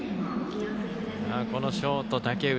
このショート、竹内。